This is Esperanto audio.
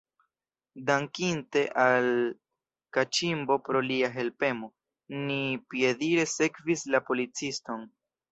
Dankinte al Kaĉimbo pro lia helpemo, ni piedire sekvis la policiston.